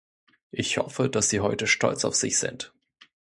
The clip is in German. Ich hoffe, dass Sie heute stolz auf sich sind.